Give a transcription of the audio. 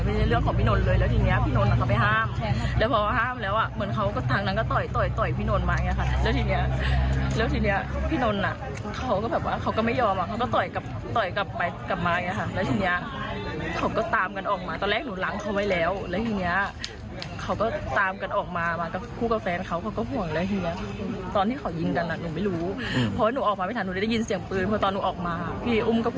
นี่ก็พยานสำคัญพยานแวดล้อมปากสำคัญเหมือนกันที่อยู่ในที่เกิดเหตุนะคะ